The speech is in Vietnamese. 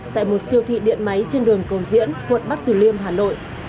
tại một siêu thị điện máy trên đường cầu diễn quận bắc từ liêm hà nội